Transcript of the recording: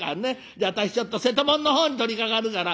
じゃあ私ちょっと瀬戸物の方に取りかかるから」。